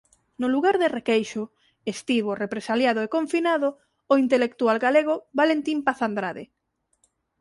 No lugar de Requeixo estivo represaliado e confinado o intelectual galego Valentín Paz Andrade.